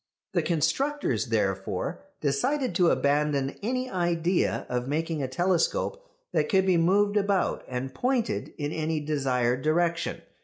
The constructors therefore decided to abandon any idea of making a telescope that could be moved about and pointed in any desired direction.